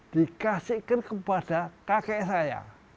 dikasihkan kepada kakek saya